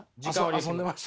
遊んでました。